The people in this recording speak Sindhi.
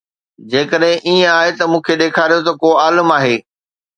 جيڪڏهن ائين آهي ته مون کي ڏيکاريو ته ڪو عالم آهي